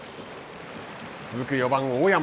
続く４番大山。